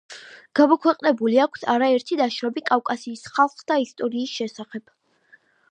გამოქვეყნებული აქვს არაერთი ნაშრომი კავკასიის ხალხთა ისტორიის შესახებ.